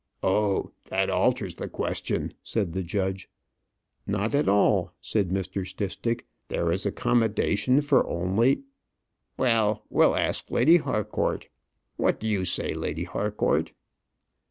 "Oh, that alters the question," said the judge. "Not at all," said Mr. Stistick. "There is accommodation for only " "Well, we'll ask Lady Harcourt. What do you say, Lady Harcourt?"